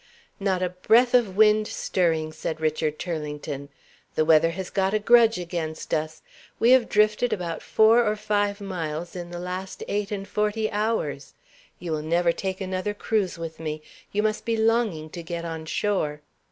"Not a breath of wind stirring!" said Richard Turlington. "The weather has got a grudge against us. We have drifted about four or five miles in the last eight and forty hours. You will never take another cruise with me you must be longing to get on shore."